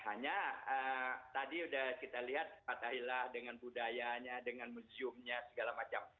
hanya tadi sudah kita lihat fathahillah dengan budayanya dengan museumnya segala macam